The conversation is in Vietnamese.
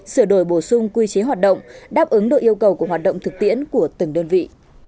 sửa đổi bổ sung quy chế hoạt động đáp ứng được yêu cầu của hoạt động thực tiễn của từng đơn vị